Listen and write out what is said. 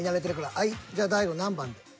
はいじゃあ大悟何番で？